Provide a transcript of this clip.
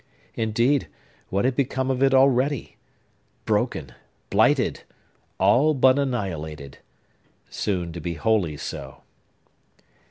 Indeed, what had become of it already? Broken! Blighted! All but annihilated! Soon to be wholly so!